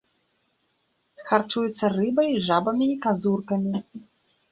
Харчуецца рыбай, жабамі і казуркамі.